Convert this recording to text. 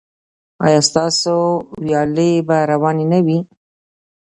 ایا ستاسو ویالې به روانې نه وي؟